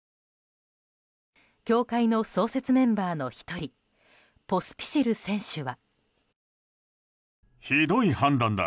協会の創設メンバーの１人ポスピシル選手は。